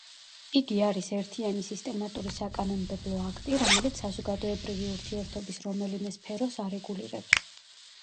იგი არის ერთიანი სისტემატური საკანონმდებლო აქტი, რომელიც საზოგადოებრივი ურთიერთობის რომელიმე სფეროს არეგულირებს.